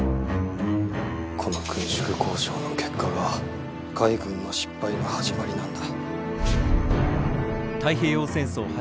この軍縮交渉の結果が海軍の失敗の始まりなんだ。